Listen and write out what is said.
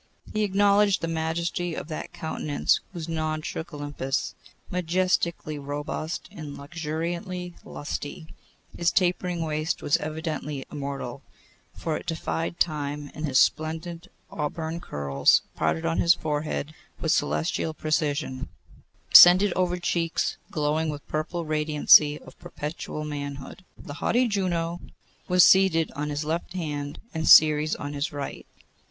He acknowledged the majesty of that countenance whose nod shook Olympus. Majestically robust and luxuriantly lusty, his tapering waist was evidently immortal, for it defied Time, and his splendid auburn curls, parted on his forehead with celestial precision, descended over cheeks glowing with the purple radiancy of perpetual manhood. The haughty Juno was seated on his left hand and Ceres on his right.